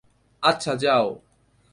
আচ্ছা, যাও।